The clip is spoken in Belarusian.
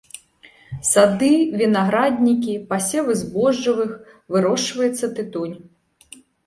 Сады, вінаграднікі, пасевы збожжавых, вырошчваецца тытунь.